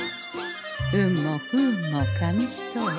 運も不運も紙一重。